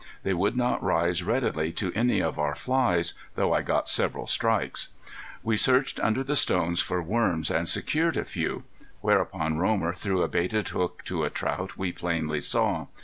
They would not rise readily to any of our flies, though I got several strikes. We searched under the stones for worms and secured a few. Whereupon Romer threw a baited hook to a trout we plainly saw.